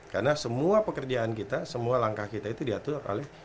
karena semua pekerjaan kita semua langkah kita itu diatur oleh